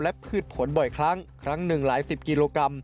และพืชผลบ่อยครั้งครั้งหนึ่งหลายสิบกิโลกรัม